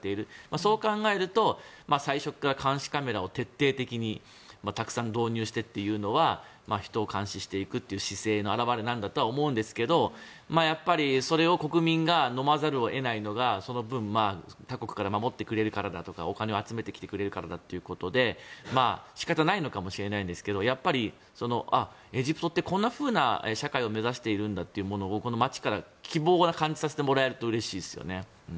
そう考えると最初から監視カメラを徹底的にたくさん導入してというのは人を監視していくという姿勢の表れだと思いますがそれを国民がのまざるを得ないのがその分、他国から守ってくれるからだとかお金を集めてきてくれるからだということで仕方ないのかもしれないですがやっぱりエジプトってこんなふうな社会を目指しているんだっていうものをこの街から希望を感じさせてもらえるとうれしいですね。